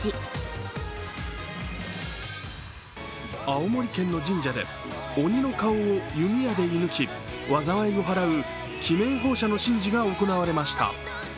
青森県の神社で鬼の顔を弓矢で射ぬき災いを払う鬼面奉射の神事が行われました。